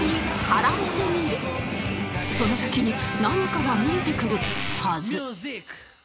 その先に何かが見えてくるはず